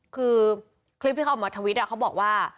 คือคลิปที่เขาออกมาทวิตเขาบอกว่า